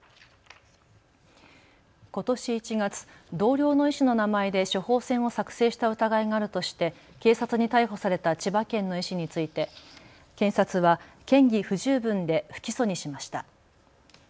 ことし１月、同僚の医師の名前で処方箋を作成した疑いがあるとして警察に逮捕された千葉県の医師について検察は嫌疑不十分で不起訴にしました。